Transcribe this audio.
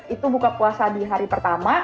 itu buka puasa di hari pertama